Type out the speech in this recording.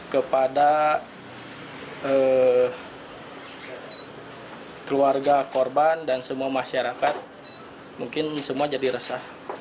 kepada keluarga korban dan semua masyarakat mungkin semua jadi resah